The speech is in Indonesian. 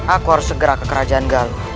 aku harus segera ke kerajaan gal